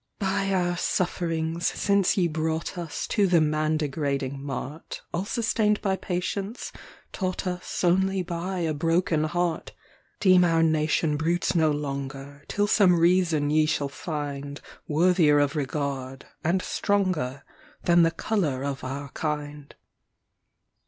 "By our sufferings, since ye brought us To the man degrading mart, All sustain'd by patience, taught us Only by a broken heart, Deem our nation brutes no longer, Till some reason ye shall find Worthier of regard, and stronger Than the colour of our kind."